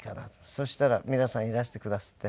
そしたら皆さんいらしてくだすって。